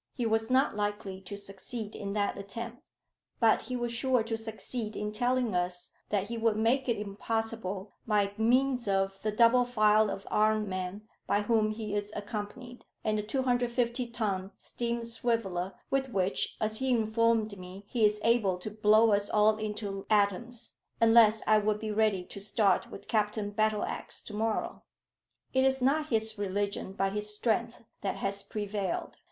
He was not likely to succeed in that attempt. But he was sure to succeed in telling us that he would make it impossible by means of the double file of armed men by whom he is accompanied, and the 250 ton steam swiveller with which, as he informed me, he is able to blow us all into atoms, unless I would be ready to start with Captain Battleax to morrow. It is not his religion but his strength that has prevailed.